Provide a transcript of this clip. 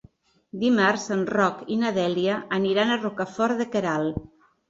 Dimarts en Roc i na Dèlia aniran a Rocafort de Queralt.